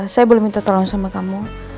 saya belum minta tolong sama kamu